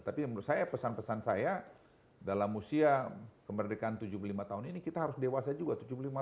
tapi menurut saya pesan pesan saya dalam usia kemerdekaan tujuh puluh lima tahun ini kita harus dewasa juga